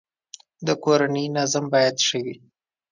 د کورنی نظم باید ښه وی